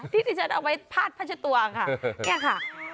ที่ที่ฉันเอาไว้พาดพัชตัวค่ะเนี่ยค่ะ